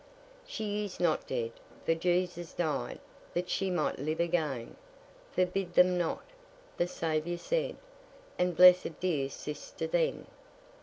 She is not dead, for Jesus died That she might live again. "Forbid them not," the Saviour said, And blessed dear sister then.